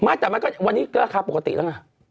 ไม่แต่มันก็วันนี้ก็ราคาปกติแล้วไง